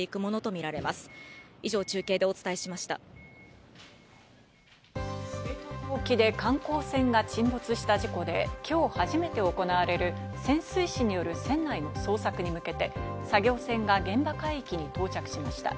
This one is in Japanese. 知床沖で観光船が沈没した事故で、今日初めて行われる潜水士による船内の捜索に向けて作業船が現場海域に到着しました。